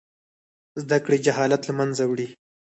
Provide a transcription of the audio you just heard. زده کړې جهالت له منځه وړي.